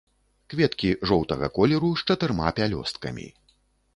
Кветкі жоўтага колеру, з чатырма пялёсткамі.